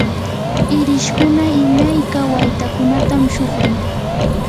irishkuna imayka waytakunatam shuqun.